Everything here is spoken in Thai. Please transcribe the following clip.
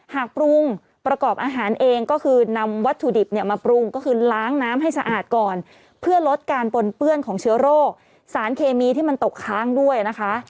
หากปรุงประกอบอาหารเองก็คือนำวัตถุดิบเนี่ยมาปรุงก็คือล้างน้ำให้สะอาดก่อนเพื่อลดการปนเปื้อนของเชื้อโรคสารเคมีที่มันตกค้างด้วยนะคะ